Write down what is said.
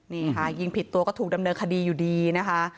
นี่ค่ะยิงผิดตัวก็ถูกดำเนินคดีอยู่ดีนะคะ